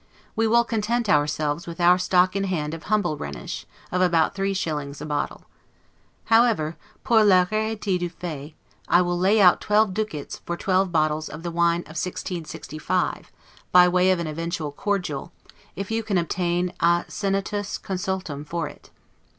We will content our selves with our stock in hand of humble Rhenish, of about three shillings a bottle. However, 'pour la rarity du fait, I will lay out twelve ducats', for twelve bottles of the wine of 1665, by way of an eventual cordial, if you can obtain a 'senatus consultum' for it.